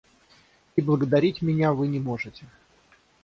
И благодарить меня вы не можете.